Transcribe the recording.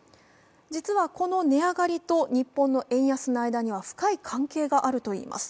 実は、この値上がりと日本の円安の間には深い関係があるといいます。